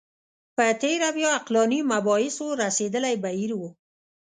په تېره بیا عقلاني مباحثو رسېدلی بهیر و